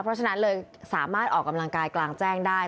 เพราะฉะนั้นเลยสามารถออกกำลังกายกลางแจ้งได้